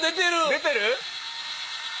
出てる？